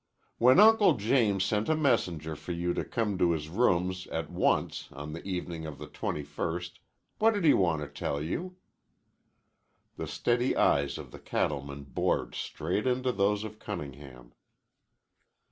"When Uncle James sent a messenger for you to come to his rooms at once on the evening of the twenty first, what did he want to tell you?" The steady eyes of the cattleman bored straight into those of Cunningham.